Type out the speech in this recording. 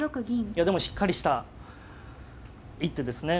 いやでもしっかりした一手ですね。